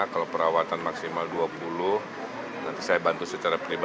kalau perawatan maksimal rp dua puluh juta nanti saya bantu secara pribadi juga